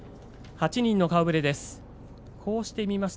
８人の顔ぶれです。